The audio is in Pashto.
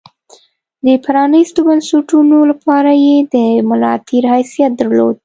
د پرانېستو بنسټونو لپاره یې د ملا تیر حیثیت درلود.